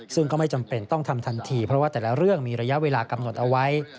ซึ่งก็ไม่จำเป็นต้องทำทันทีเพราะว่าแต่ละเรื่องมีระยะเวลากำหนดเอาไว้